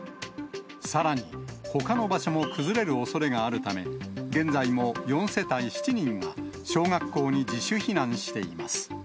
さらにほかの場所も崩れるおそれがあるため、現在も４世帯７人が小学校に自主避難しています。